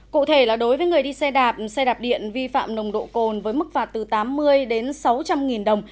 cụ thể là đối với người đi xe đạp xe đạp điện vi phạm nồng độ cồn với mức phạt từ tám mươi đến sáu trăm linh nghìn đồng